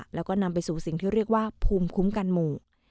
แล้วก็นำไปสู่สิ่งที่เรียกว่าภูมิคุ้มกันหมู่